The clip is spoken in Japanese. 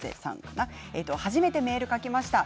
初めてメールを書きました。